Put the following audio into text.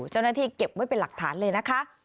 เจ้าหน้าที่เก็บไว้เป็นหลักฐานเลยนะคะ